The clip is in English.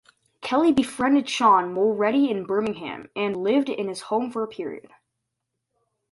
Kelly befriended Sean Mulready in Birmingham and lived in his home for a period.